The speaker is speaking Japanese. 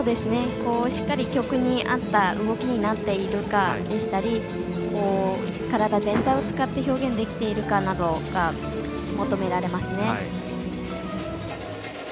しっかり曲に合った動きになっているかでしたり体全体を使って表現できているかなどが求められます。